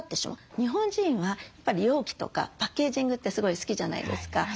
日本人は容器とかパッケージングってすごい好きじゃないですか。